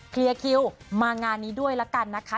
เคลียร์คิวมางานนี้ด้วยละกันนะคะ